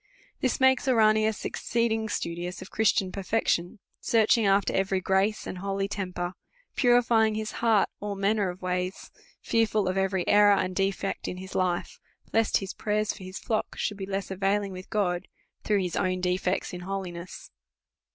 This makes Ouranius exceeding studious of Christian perfection, searching after every grace and holy temper, purifying his heart all manner of ways, fearful of every error and defect in his life, lest his prayers for his flock should be less availing with God, through his own defects in holiness.